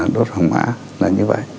đốt vàng mã là như vậy